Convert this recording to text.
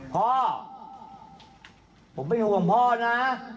พ่อผมเป็นห่วงพ่อนะ